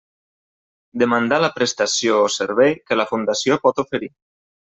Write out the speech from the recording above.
Demandar la prestació o servei que la Fundació pot oferir.